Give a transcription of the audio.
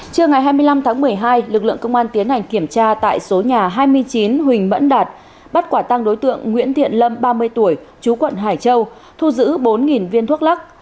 trưa ngày hai mươi năm tháng một mươi hai lực lượng công an tiến hành kiểm tra tại số nhà hai mươi chín huỳnh mẫn đạt bắt quả tăng đối tượng nguyễn thiện lâm ba mươi tuổi chú quận hải châu thu giữ bốn viên thuốc lắc